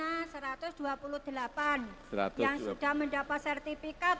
yang sudah mendapat sertifikat